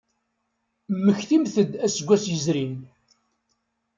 Mmektimt-d aseggas yezrin.